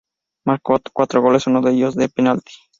Marcó cuatro goles, uno de ellos de penalti.